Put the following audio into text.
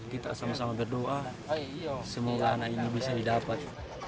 kita sama sama berdoa semoga anak ini bisa didapat